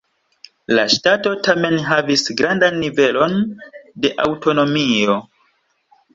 La ŝtato tamen havis grandan nivelon de aŭtonomio.